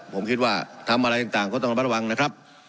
ผมคิดว่าทำอะไรต่างก็ต้องระมัดระวังนะครับ